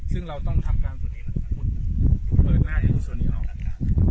ซึ่งเราต้องทำการพูดเปิดหน้าที่ทุกส่วนนี้ออก